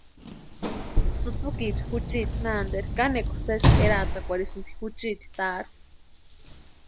Tsïtsïkiecha juchiti nanteri kanekwa sésï eraatakwarhisïnti juchiti taarhu.